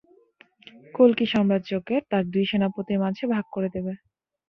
কল্কি সাম্রাজ্যকে তার দুই সেনাপতির মাঝে ভাগ করে দিবে।